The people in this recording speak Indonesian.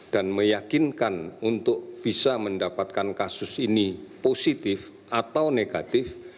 dan meyakinkan untuk bisa mendapatkan kasus ini positif atau negatif